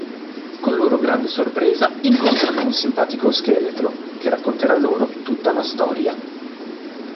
Con loro grande sorpresa, incontrano un simpatico scheletro che racconterà loro tutta la storia.